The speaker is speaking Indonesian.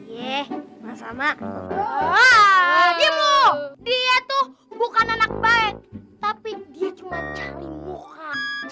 sama sama dia tuh bukan anak baik tapi dia cuma cari muka